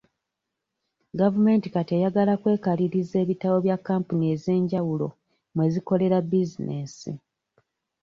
Gavumenti kati eyagala kwekaliriza ebitabo bya kampuni ez'enjawulo mwe zikolera bizinensi.